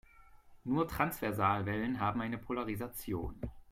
Nur Transversalwellen haben eine Polarisation.